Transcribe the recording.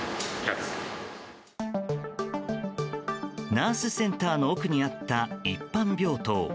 ナースセンターの奥にあった一般病棟。